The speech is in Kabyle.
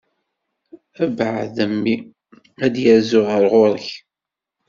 Abɛaḍ a mmi ad d-yerzu ɣer ɣur-k.